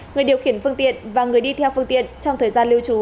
người điều khiển phương tiện và người đi theo phương tiện trong thời gian lưu trú